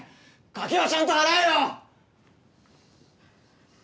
掛けはちゃんと払えよ！